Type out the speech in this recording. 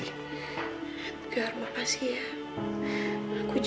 edgar maaf ya aku janji aku akan bayar semua tahu tahu